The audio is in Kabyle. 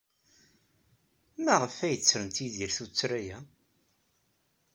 Maɣef ay ttrent Yidir tuttra-a?